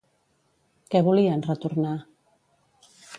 Què volia en retornar?